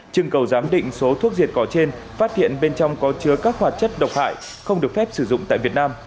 trưng cầu giám định số thuốc diệt cỏ trên phát hiện bên trong có chứa các hoạt chất độc hại không được phép sử dụng tại việt nam